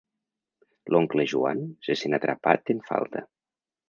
L'oncle Joan se sent atrapat en falta.